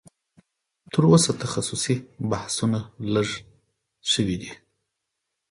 تر اوسه تخصصي بحثونه لږ شوي دي